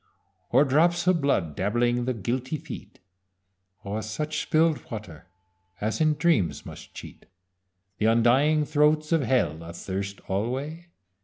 Or drops of blood dabbling the guilty feet? Or such spill'd water as in dreams must cheat The undying throats of Hell, athirst alway?